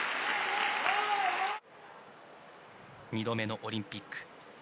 ２度目のオリンピック。